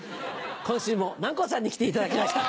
今週も南光さんに来ていただきました。